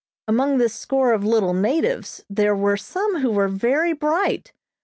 Among this score of little natives there were some who were very bright.